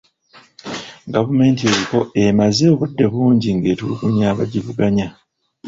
Gavumenti eriko emaze obudde bungi ng'etulugunya abagivuganya.